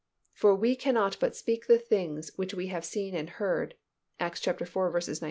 For we cannot but speak the things which we have seen and heard" (Acts iv.